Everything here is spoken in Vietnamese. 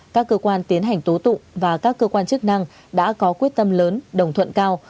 các cơ quan tiến hành tố tụng và các cơ quan chức năng đã có quyết tâm lớn đồng thuận cao